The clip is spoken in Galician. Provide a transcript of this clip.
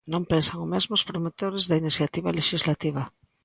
Non pensan o mesmo os promotores da iniciativa lexislativa.